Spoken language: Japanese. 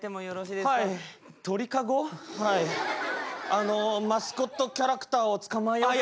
あのマスコットキャラクターをつかまえようかなと。